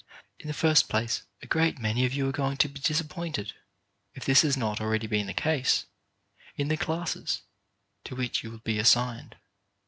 In the first place, a great many of you are go ing to be disappointed — if this has not already been the case — in the classes to which you will be assigned.